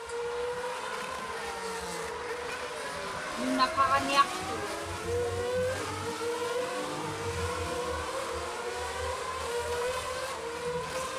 Nunaqaġniaqtugut.